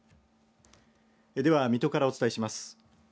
では、水戸からお伝えします。